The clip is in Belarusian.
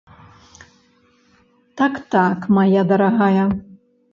Так, так, мая дарагая.